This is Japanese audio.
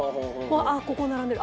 ここ並んでる